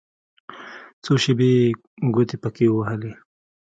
څو شېبې يې ګوتې پکښې ووهلې.